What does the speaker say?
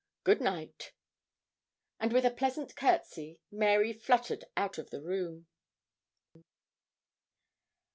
Good night.' And with a pleasant courtesy Mary fluttered out of the room.